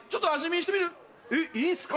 えっいいんすか？